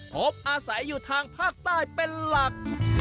พบอาศัยอยู่ทางภาคใต้เป็นหลัก